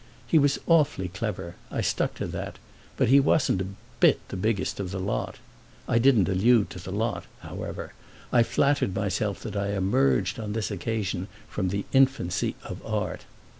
He was awfully clever—I stuck to that, but he wasn't a bit the biggest of the lot. I didn't allude to the lot, however; I flattered myself that I emerged on this occasion from the infancy of art.